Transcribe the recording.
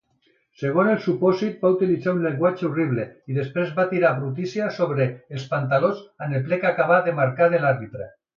Segons el supòsit, va utilitzar un llenguatge "horrible", i després va tirar brutícia sobre els "pantalons amb el plec acabat de marcar" de l'arbitre.